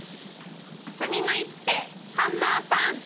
あさみの一手ハンマーパンチ！